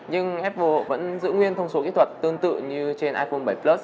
nhưng apple vẫn giữ nguyên thông số kỹ thuật tương tự như trên iphone bảy plus